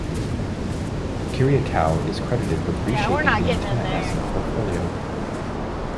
Kyriakou is credited with reshaping the Antenna asset portfolio.